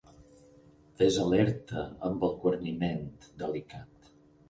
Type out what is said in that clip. Ves alerta amb el guarniment delicat.